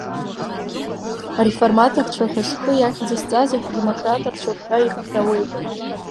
Ареформаторцәа ҳәа зхы иахьӡызҵази ҳдемократцәоуп ҳәа иҳәҳәауеи.